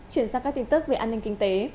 chuyển sang các tin tức về an ninh kinh tế